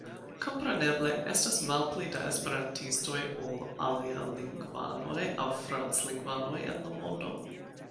Kompreneble estas malpli da esperantistoj ol anglalingvanoj aŭ franclingvanoj en la mondo.